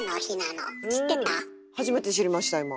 初めて知りました今。